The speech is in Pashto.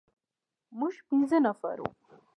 موږ پنځه نفر وو.